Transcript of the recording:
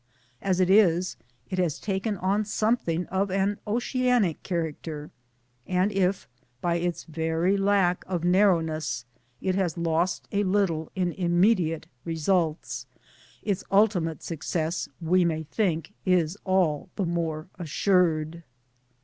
As it is, it has taken on something of an oceanic character ; and if by its very lack of narrowness it has lost a little in imme diate results, its ultimate success we may think is all the more assured.